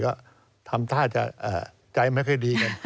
ก็ทำท่าจะใจไม่ค่อยดีกัน